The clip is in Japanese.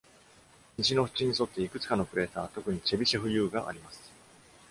西の縁に沿っていくつかのクレーター、特にチェビシェフ U があります。